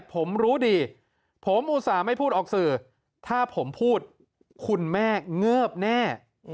ผมรู้ดีผมอุตส่าห์ไม่พูดออกสื่อถ้าผมพูดคุณแม่เงิบแน่